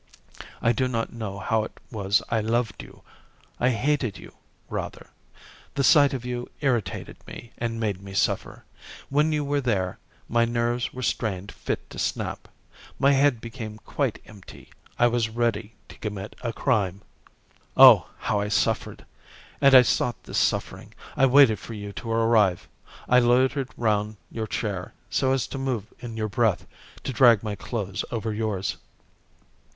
I do not know how it was I loved you; I hated you rather. The sight of you irritated me, and made me suffer. When you were there, my nerves were strained fit to snap. My head became quite empty. I was ready to commit a crime. "Oh! how I suffered! And I sought this suffering. I waited for you to arrive. I loitered round your chair, so as to move in your breath, to drag my clothes over yours.